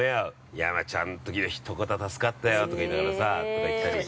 山ちゃん、あのときの一言は助かったよとか言いながらさとか言ったり。